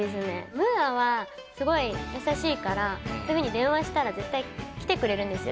ムーアはすごい優しいからそういうふうに電話したら絶対来てくれるんですよ